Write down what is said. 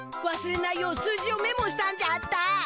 わすれないよう数字をメモしたんじゃった。